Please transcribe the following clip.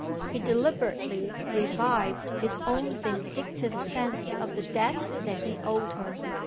He deliberately revived his own vindictive sense of the debt that he owed her.